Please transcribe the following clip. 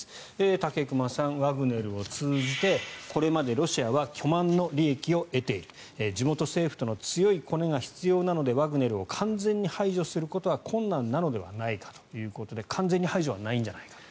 武隈さん、ワグネルを通じてこれまでロシアは巨万の利益を得ている地元政府との強いコネが必要なのでワグネルを完全に排除することは困難なのではないかということで完全に排除はないんじゃないかと。